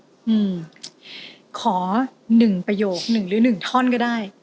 อืมขอหนึ่งประโยคหนึ่งหรือหนึ่งท่อนก็ได้